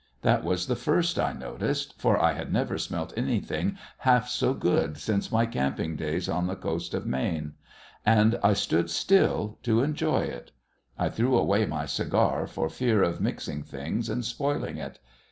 That was the first I noticed, for I had never smelt anything half so good since my camping days on the coast of Maine. And I stood still to enjoy it. I threw away my cigar for fear of mixing things and spoiling it.